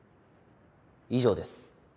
以上です。